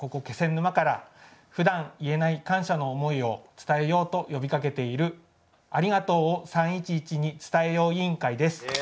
気仙沼からふだん言えない感謝の思いを伝えようと呼びかけているありがとうを３．１１に伝えよう委員会です。